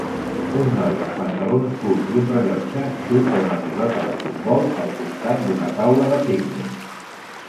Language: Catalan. Un noi amb pantalons curts i un rellotge xuta una pilota de futbol al costat d'una taula de pícnic.